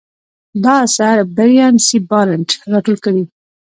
دا اثر بریان سي بارنټ راټول کړی.